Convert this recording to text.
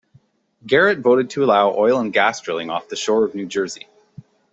Garrett voted to allow oil and gas drilling off the shore of New Jersey.